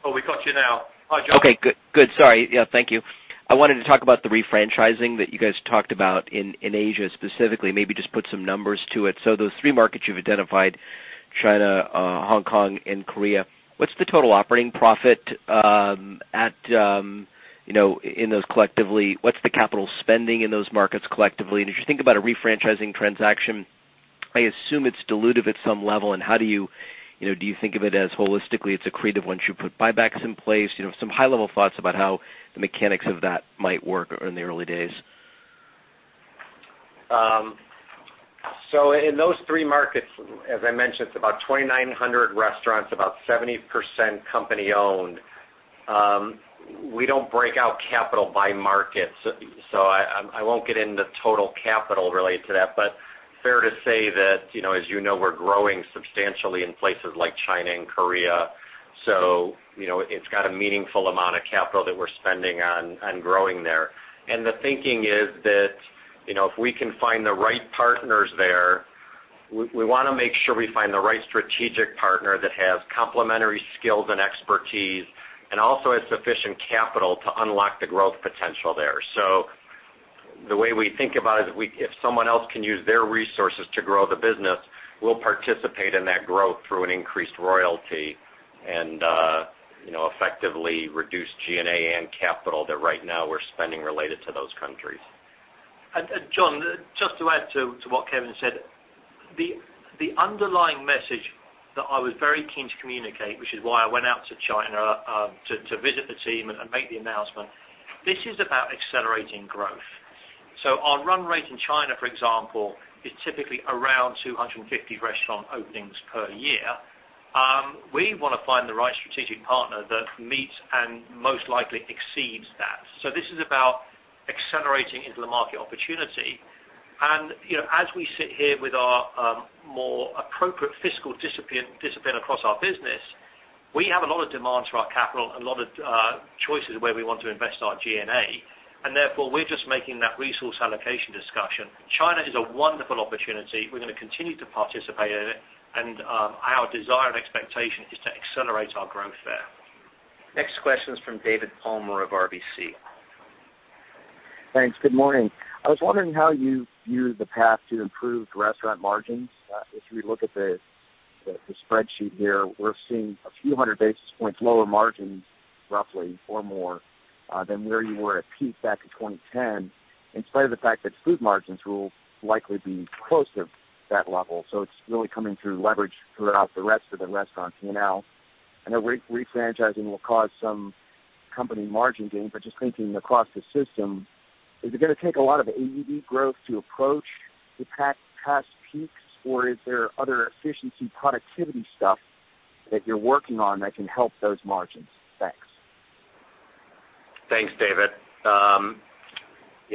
Oh, we got you now. Hi, John. Okay, good. Sorry. Yeah, thank you. I wanted to talk about the refranchising that you guys talked about in Asia specifically, maybe just put some numbers to it. Those three markets you've identified, China, Hong Kong, and Korea, what's the total operating profit in those collectively? What's the capital spending in those markets collectively? As you think about a refranchising transaction, I assume it's dilutive at some level. Do you think of it as holistically it's accretive once you put buybacks in place? Some high-level thoughts about how the mechanics of that might work in the early days. In those three markets, as I mentioned, it's about 2,900 restaurants, about 70% company-owned. We don't break out capital by markets, so I won't get into total capital related to that. Fair to say that, as you know, we're growing substantially in places like China and Korea. It's got a meaningful amount of capital that we're spending on growing there. The thinking is that if we can find the right partners there, we want to make sure we find the right strategic partner that has complementary skills and expertise, and also has sufficient capital to unlock the growth potential there. The way we think about it, if someone else can use their resources to grow the business, we'll participate in that growth through an increased royalty and effectively reduce G&A and capital that right now we're spending related to those countries. John, just to add to what Kevin said, the underlying message that I was very keen to communicate, which is why I went out to China to visit the team and make the announcement, this is about accelerating growth. Our run rate in China, for example, is typically around 250 restaurant openings per year. We want to find the right strategic partner that meets and most likely exceeds that. This is about accelerating into the market opportunity. As we sit here with our more appropriate fiscal discipline across our business, we have a lot of demands for our capital and a lot of choices where we want to invest our G&A. Therefore, we're just making that resource allocation discussion. China is a wonderful opportunity. We're going to continue to participate in it, and our desire and expectation is to accelerate our growth there. Next question is from David Palmer of RBC. Thanks. Good morning. I was wondering how you view the path to improved restaurant margins. If we look at the spreadsheet here, we're seeing a few hundred basis points lower margins, roughly or more, than where you were at peak back in 2010, in spite of the fact that food margins will likely be close to that level. It's really coming through leverage throughout the rest of the restaurant P&L. I know refranchising will cause some company margin gain. Just thinking across the system, is it going to take a lot of AUV growth to approach the past peaks, or is there other efficiency productivity stuff that you're working on that can help those margins? Thanks. Thanks, David.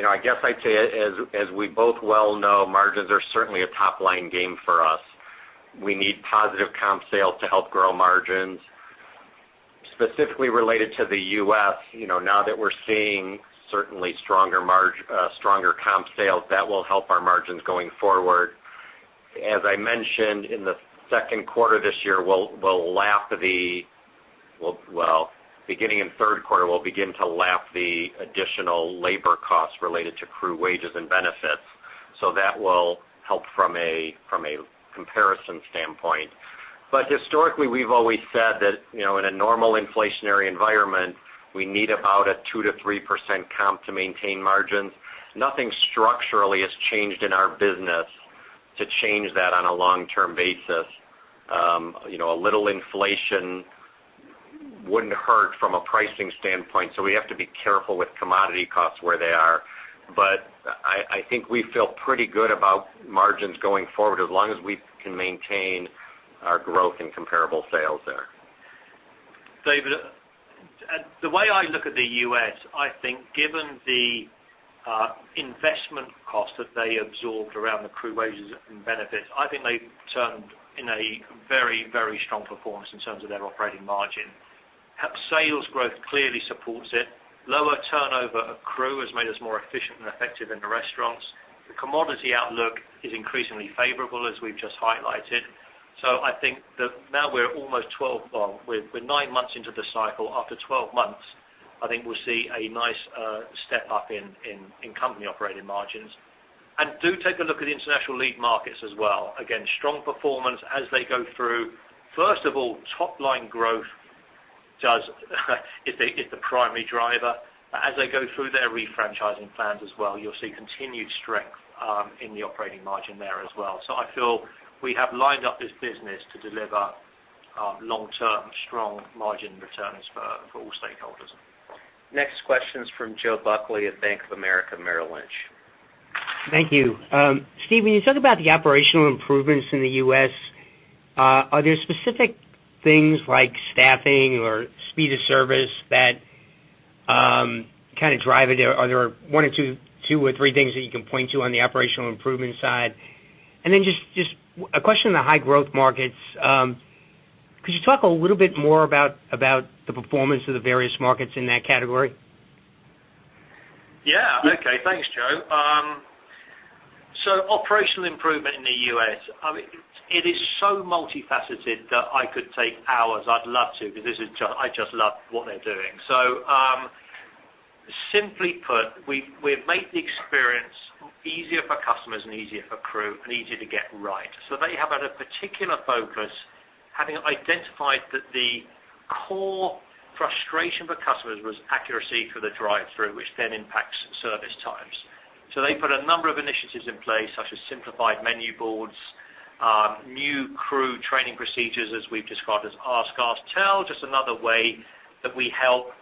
I guess I'd say as we both well know, margins are certainly a top-line game for us. We need positive comp sales to help grow margins. Specifically related to the U.S., now that we're seeing certainly stronger comp sales, that will help our margins going forward. As I mentioned, in the second quarter this year, well, beginning in third quarter, we'll begin to lap the additional labor costs related to crew wages and benefits that will help from a comparison standpoint. Historically, we've always said that in a normal inflationary environment, we need about a 2%-3% comp to maintain margins. Nothing structurally has changed in our business to change that on a long-term basis. A little inflation wouldn't hurt from a pricing standpoint, we have to be careful with commodity costs where they are. I think we feel pretty good about margins going forward, as long as we can maintain our growth in comparable sales there. David, the way I look at the U.S., I think given the investment cost that they absorbed around the crew wages and benefits, I think they turned in a very, very strong performance in terms of their operating margin. Sales growth clearly supports it. Lower turnover of crew has made us more efficient and effective in the restaurants. The commodity outlook is increasingly favorable, as we've just highlighted. I think that now we're nine months into the cycle. After 12 months, I think we'll see a nice step-up in company-operating margins. Do take a look at the International Lead Markets as well. Again, strong performance as they go through. First of all, top-line growth is the primary driver. As they go through their refranchising plans as well, you'll see continued strength in the operating margin there as well. I feel we have lined up this business to deliver long-term, strong margin returns for all stakeholders. Next question is from Joe Buckley at Bank of America Merrill Lynch. Thank you. Steve, when you talk about the operational improvements in the U.S., are there specific things like staffing or speed of service that kind of drive it? Are there one or two or three things that you can point to on the operational improvement side? Just a question on the high-growth markets. Could you talk a little bit more about the performance of the various markets in that category? Yeah. Okay. Thanks, Joe. Operational improvement in the U.S. It is so multifaceted that I could take hours. I'd love to, because I just love what they're doing. Simply put, we've made the experience easier for customers and easier for crew and easier to get right. They have had a particular focus, having identified that the core frustration for customers was accuracy for the drive-thru, which then impacts service times. They put a number of initiatives in place, such as simplified menu boards, new crew training procedures, as we've described as Ask, Tell. Just another way that we help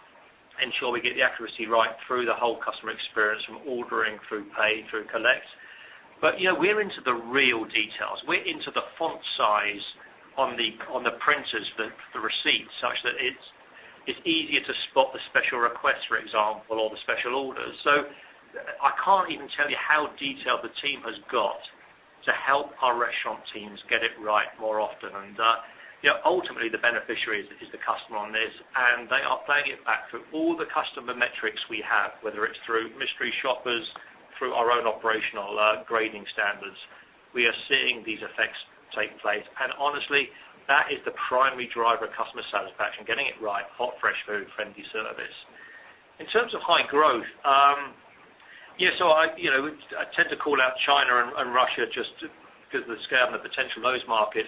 ensure we get the accuracy right through the whole customer experience, from ordering through pay, through collect. We're into the real details. We're into the font size on the printers for the receipts, such that it's easier to spot the special requests, for example, or the special orders. I can't even tell you how detailed the team has got to help our restaurant teams get it right more often. Ultimately, the beneficiary is the customer on this, and they are paying it back through all the customer metrics we have, whether it's through mystery shoppers, through our own operational grading standards. We are seeing these effects taking place. Honestly, that is the primary driver of customer satisfaction, getting it right, hot, fresh food, friendly service. In terms of high growth, I tend to call out China and Russia just because of the scale and the potential of those markets.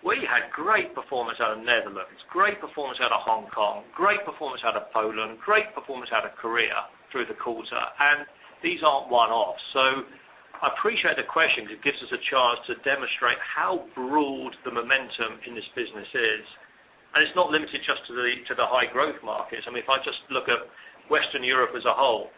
We had great performance out of Netherlands, great performance out of Hong Kong, great performance out of Poland, great performance out of Korea through the quarter, and these aren't one-offs. I appreciate the question because it gives us a chance to demonstrate how broad the momentum in this business is, and it's not limited just to the high-growth markets. If I just look at Western Europe as a whole,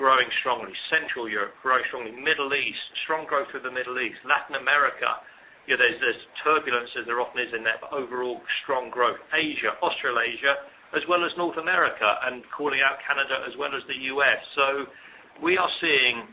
growing strongly. Central Europe, growing strongly. Middle East, strong growth through the Middle East. Latin America, there's turbulence, as there often is in there, but overall strong growth. Asia, Australasia, as well as North America, and calling out Canada as well as the U.S. We are seeing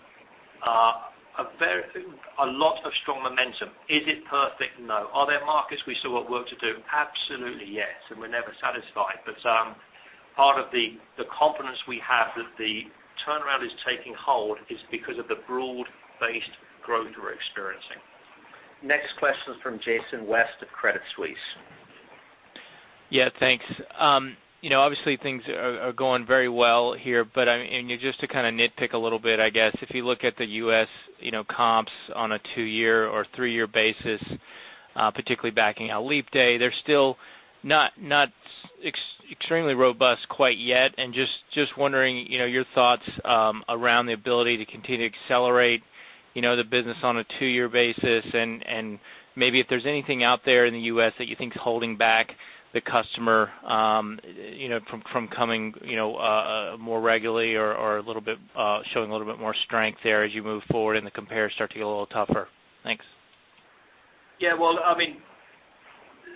a lot of strong momentum. Is it perfect? No. Are there markets we still have work to do? Absolutely, yes, and we're never satisfied. Part of the confidence we have that the turnaround is taking hold is because of the broad-based growth we're experiencing. Next question is from Jason West of Credit Suisse. Yeah, thanks. Obviously, things are going very well here, and just to kind of nitpick a little bit, I guess, if you look at the U.S. comps on a two-year or three-year basis, particularly backing out leap day, they're still not extremely robust quite yet. Just wondering, your thoughts around the ability to continue to accelerate the business on a two-year basis, and maybe if there's anything out there in the U.S. that you think is holding back the customer from coming more regularly or showing a little bit more strength there as you move forward and the compares start to get a little tougher. Thanks. Yeah.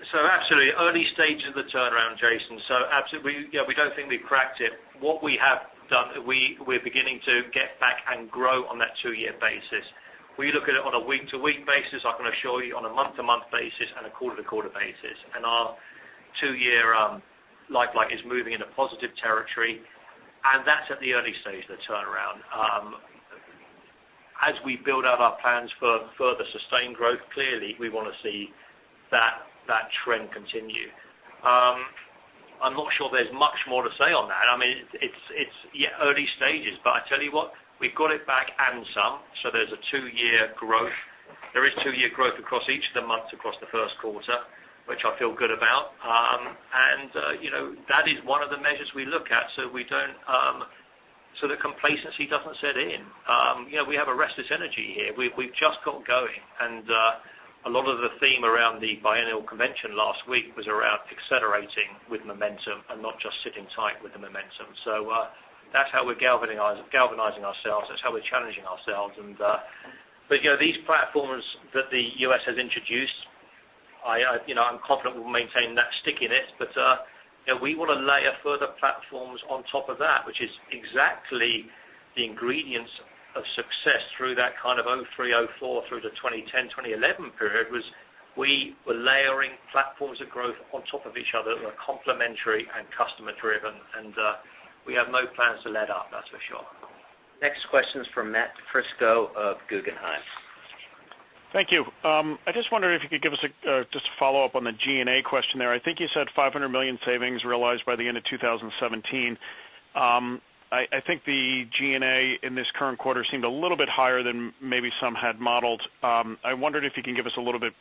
Absolutely, early stages of the turnaround, Jason. Absolutely, we don't think we've cracked it. What we have done, we're beginning to get back and grow on that two-year basis. We look at it on a week-to-week basis, I can assure you, on a month-to-month basis, and a quarter-to-quarter basis. Our two-year life is moving into positive territory, and that's at the early stage of the turnaround. As we build out our plans for further sustained growth, clearly, we want to see that trend continue. I'm not sure there's much more to say on that. It's early stages, but I tell you what, we've got it back and some. There's a two-year growth. There is two-year growth across each of the months across the first quarter, which I feel good about. That is one of the measures we look at so the complacency doesn't set in. We have a restless energy here. We've just got going. A lot of the theme around the biennial convention last week was around accelerating with momentum and not just sitting tight with the momentum. That's how we're galvanizing ourselves, that's how we're challenging ourselves. These platforms that the U.S. has introduced, I'm confident we'll maintain that stickiness. We want to layer further platforms on top of that, which is exactly the ingredients of success through that kind of 2003, 2004 through the 2010, 2011 period, was we were layering platforms of growth on top of each other that were complementary and customer-driven. We have no plans to let up, that's for sure. Next question's from Matthew DiFrisco of Guggenheim. Thank you. I just wondered if you could give us just a follow-up on the G&A question there. I think you said $500 million savings realized by the end of 2017. I think the G&A in this current quarter seemed a little bit higher than maybe some had modeled. I wondered if you can give us a little bit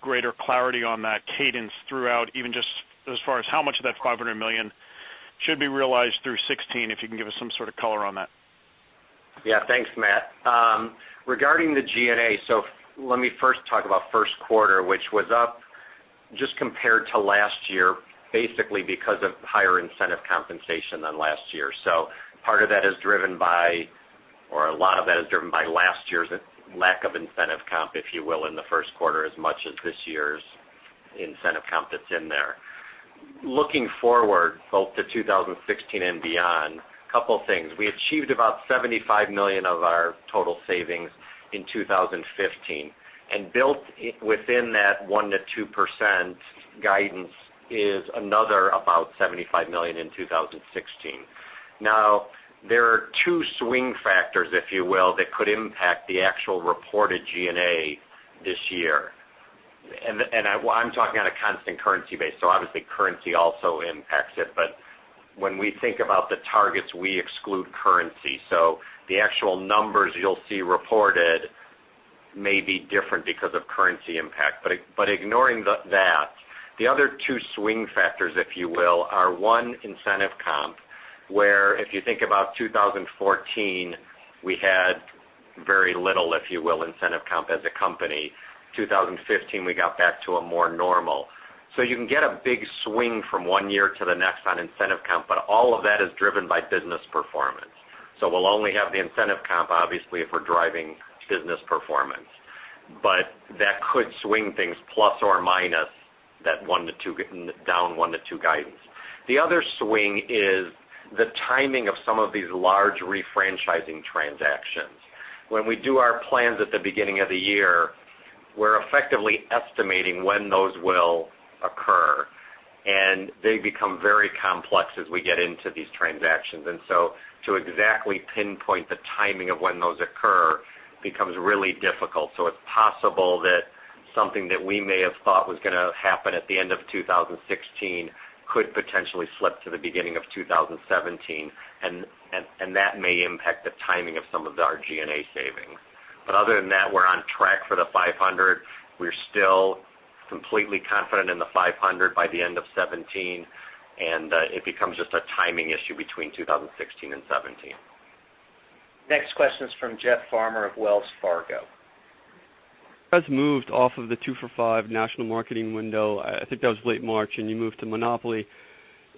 greater clarity on that cadence throughout, even just as far as how much of that $500 million should be realized through 2016, if you can give us some sort of color on that. Thanks, Matt. Regarding the G&A, let me first talk about first quarter, which was up just compared to last year, basically because of higher incentive compensation than last year. Part of that is driven by, or a lot of that is driven by last year's lack of incentive comp, if you will, in the first quarter, as much as this year's incentive comp that's in there. Looking forward both to 2016 and beyond, couple things. We achieved about $75 million of our total savings in 2015, and built within that 1%-2% guidance is another about $75 million in 2016. There are two swing factors, if you will, that could impact the actual reported G&A this year. I'm talking on a constant currency base, obviously currency also impacts it. When we think about the targets, we exclude currency. The actual numbers you'll see reported may be different because of currency impact. Ignoring that, the other two swing factors, if you will, are one, incentive comp, where if you think about 2014, we had very little, if you will, incentive comp as a company. 2015, we got back to a more normal. You can get a big swing from one year to the next on incentive comp, but all of that is driven by business performance. We'll only have the incentive comp, obviously, if we're driving business performance. That could swing things plus or minus that down 1 to 2 guidance. The other swing is the timing of some of these large refranchising transactions. When we do our plans at the beginning of the year, we're effectively estimating when those will occur, and they become very complex as we get into these transactions. To exactly pinpoint the timing of when those occur becomes really difficult. It's possible that something that we may have thought was going to happen at the end of 2016 could potentially slip to the beginning of 2017, and that may impact the timing of some of our G&A savings. Other than that, we're on track for the $500. We're still completely confident in the $500 by the end of 2017, and it becomes just a timing issue between 2016 and 2017. Next question is from Jeff Farmer of Wells Fargo. You guys moved off of the 2 for $5 national marketing window. I think that was late March, and you moved to Monopoly.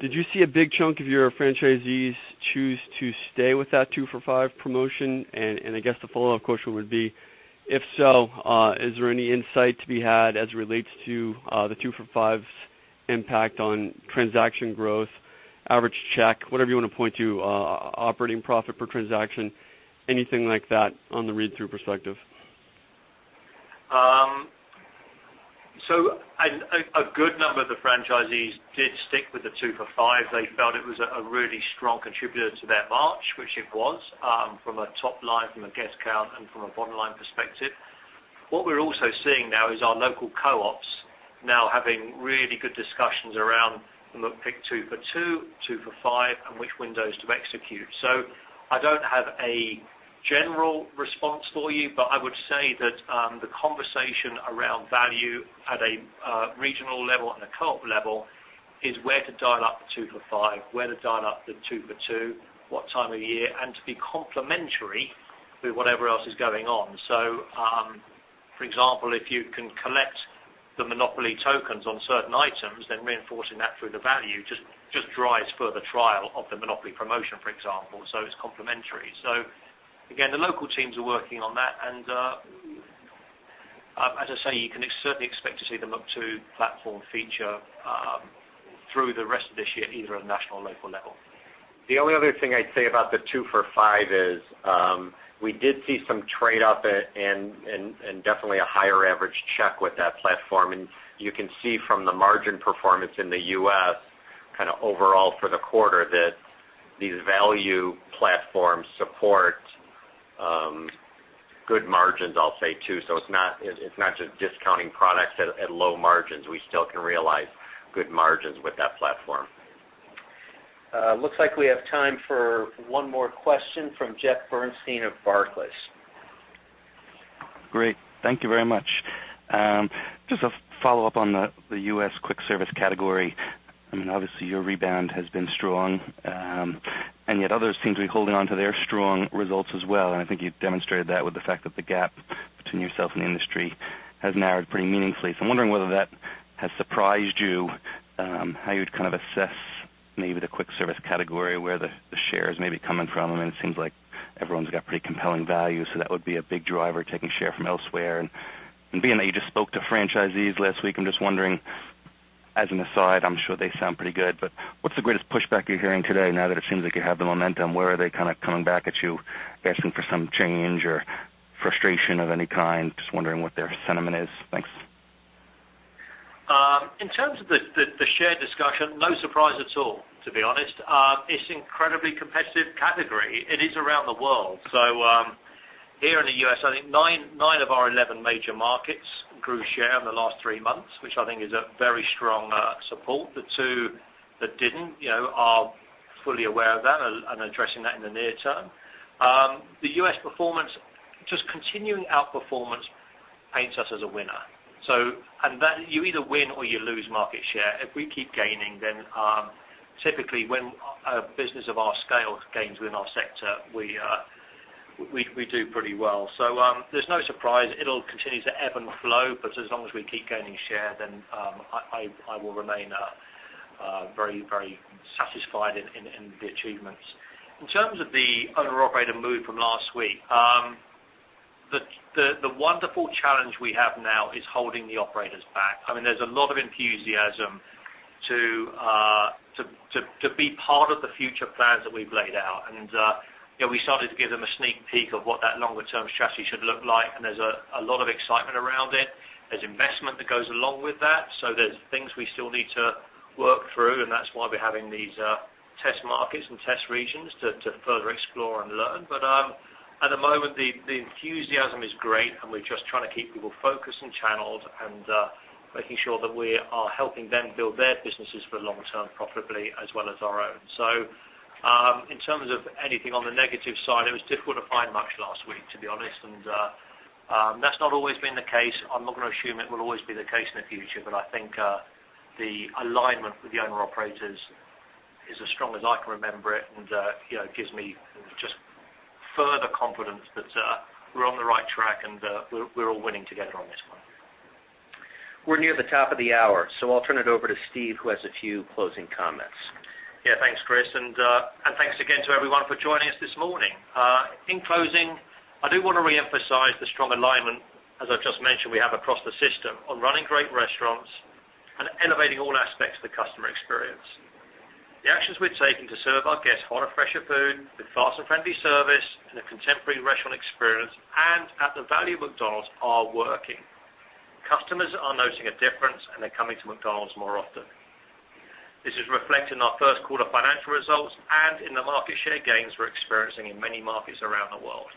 Did you see a big chunk of your franchisees choose to stay with that 2 for $5 promotion? I guess the follow-up question would be, if so, is there any insight to be had as it relates to the 2 for $5's impact on transaction growth, average check, whatever you want to point to, operating profit per transaction, anything like that on the read-through perspective? A good number of the franchisees did stick with the 2 for 5. They felt it was a really strong contributor to their March, which it was from a top line, from a guest count, and from a bottom-line perspective. We're also seeing now is our local co-ops now having really good discussions around McPick 2 for 2 for 5, and which windows to execute. I don't have a general response for you, but I would say that the conversation around value at a regional level and a co-op level is where to dial up the 2 for 5, where to dial up the 2 for 2, what time of year, and to be complementary with whatever else is going on. For example, if you can collect the Monopoly tokens on certain items, then reinforcing that through the value just drives further trial of the Monopoly promotion, for example. It's complementary. Again, the local teams are working on that, and as I say, you can certainly expect to see the McPick 2 platform feature through the rest of this year, either at a national or local level. The only other thing I'd say about the 2 for 5 is, we did see some trade up and definitely a higher average check with that platform. You can see from the margin performance in the U.S. kind of overall for the quarter that these value platforms support Good margins, I'll say, too. It's not just discounting products at low margins. We still can realize good margins with that platform. Looks like we have time for one more question from Jeffrey Bernstein of Barclays. Great. Thank you very much. Just a follow-up on the U.S. quick-service category. Obviously, your rebound has been strong, yet others seem to be holding on to their strong results as well, and I think you've demonstrated that with the fact that the gap between yourself and the industry has narrowed pretty meaningfully. I'm wondering whether that has surprised you, how you'd kind of assess maybe the quick-service category, where the shares may be coming from, and it seems like everyone's got pretty compelling value, so that would be a big driver, taking share from elsewhere. Being that you just spoke to franchisees last week, I'm just wondering, as an aside, I'm sure they sound pretty good, but what's the greatest pushback you're hearing today, now that it seems like you have the momentum? Where are they kind of coming back at you asking for some change or frustration of any kind? Just wondering what their sentiment is. Thanks. In terms of the share discussion, no surprise at all, to be honest. It's incredibly competitive category. It is around the world. Here in the U.S., I think nine of our 11 major markets grew share in the last three months, which I think is a very strong support. The two that didn't, are fully aware of that and are addressing that in the near term. The U.S. performance, just continuing outperformance paints us as a winner. You either win or you lose market share. If we keep gaining, typically when a business of our scale gains within our sector, we do pretty well. There's no surprise. It'll continue to ebb and flow, but as long as we keep gaining share, I will remain very satisfied in the achievements. In terms of the owner-operator move from last week, the wonderful challenge we have now is holding the operators back. There's a lot of enthusiasm to be part of the future plans that we've laid out. We started to give them a sneak peek of what that longer-term strategy should look like, and there's a lot of excitement around it. There's investment that goes along with that. There's things we still need to work through, and that's why we're having these test markets and test regions to further explore and learn. At the moment, the enthusiasm is great, and we're just trying to keep people focused and channeled and making sure that we are helping them build their businesses for the long term profitably as well as our own. In terms of anything on the negative side, it was difficult to find much last week, to be honest, and that's not always been the case. I'm not going to assume it will always be the case in the future. I think the alignment with the owner-operators is as strong as I can remember it, and gives me just further confidence that we're on the right track and we're all winning together on this one. We're near the top of the hour, I'll turn it over to Steve, who has a few closing comments. Thanks, Chris, and thanks again to everyone for joining us this morning. In closing, I do want to reemphasize the strong alignment, as I've just mentioned, we have across the system on running great restaurants and elevating all aspects of the customer experience. The actions we've taken to serve our guests hotter, fresher food with fast and friendly service and a contemporary restaurant experience and at the value of McDonald's are working. Customers are noticing a difference, and they're coming to McDonald's more often. This is reflected in our first quarter financial results and in the market share gains we're experiencing in many markets around the world.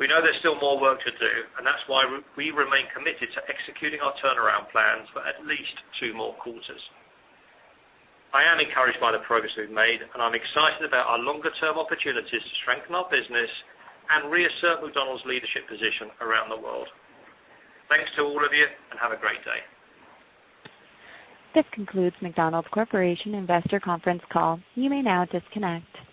We know there's still more work to do, and that's why we remain committed to executing our turnaround plans for at least two more quarters. I am encouraged by the progress we've made, and I'm excited about our longer-term opportunities to strengthen our business and reassert McDonald's leadership position around the world. Thanks to all of you, and have a great day. This concludes McDonald's Corporation Investor Conference Call. You may now disconnect.